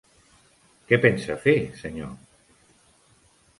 Què pensa fer, senyor?